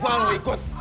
ikut kuang lu ikut